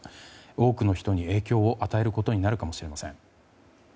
多くの人に影響を与えることになるかもしれません。